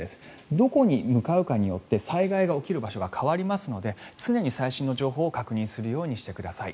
どこに向かうかによって災害が起きる場所が変わりますので常に最新の情報を確認するようにしてください。